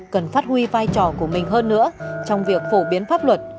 cần phát huy vai trò của mình hơn nữa trong việc phổ biến pháp luật